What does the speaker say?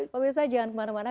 pak mirza jangan kemana mana